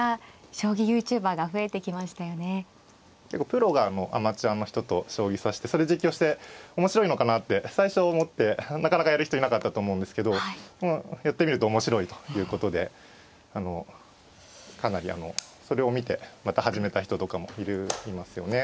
プロがアマチュアの人と将棋指してそれ実況して面白いのかなって最初思ってなかなかやる人いなかったと思うんですけどやってみると面白いということでかなりそれを見てまた始めた人とかもいますよね。